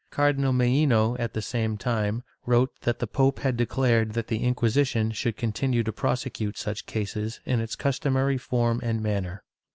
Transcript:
Cardinal Milhno, at the same time, wrote that the pope had declared that the Inquisition should continue to prosecute such cases in its customary form and manner.